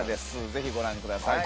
ぜひご覧ください。